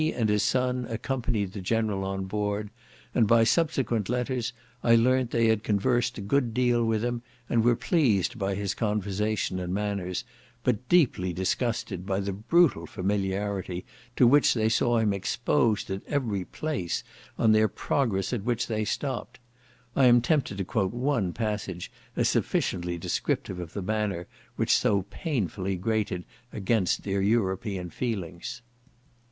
and his son accompanied the General on board; and by subsequent letters I learnt that they had conversed a good deal with him, and were pleased by his conversation and manners, but deeply disgusted by the brutal familiarity to which they saw him exposed at every place on their progress at which they stopped; I am tempted to quote one passage, as sufficiently descriptive of the manner, which so painfully grated against their European feelings.